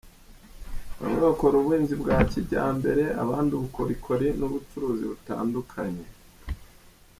Bamwe bakora ubuhinzi bwa kijyambere, abandi ubukorikori n’ubucuruzi butandukanye.